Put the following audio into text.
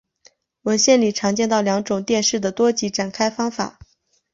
文献里常见到两种电势的多极展开方法。